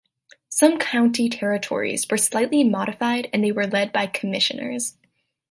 Some county territories were slightly modified and they were led by "commissioners".